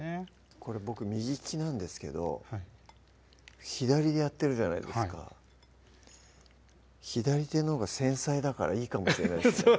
これ僕右利きなんですけど左でやってるじゃないですかはい左手のほうが繊細だからいいかもしれないですね